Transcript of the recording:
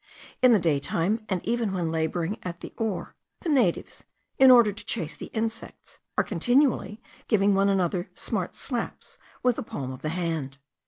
In the day time, and even when labouring at the oar, the natives, in order to chase the insects, are continually giving one another smart slaps with the palm of the hand.